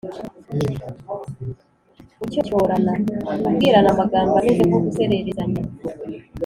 gucyocyorana: kubwirana amagambo ameze nko gusererezanya